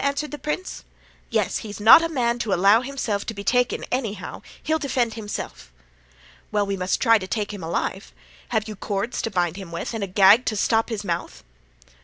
answered the prince. "'Yes, he's not a man to allow himself to be taken anyhow; he'll defend himself.' "'Well, we must try to take him alive. Have you cords to bind him with and a gag to stop his mouth?